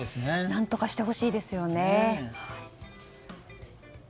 何とかしてほしいですよね。